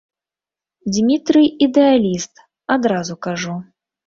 Дзмітрый ідэаліст, адразу кажу.